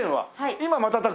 今瞬く？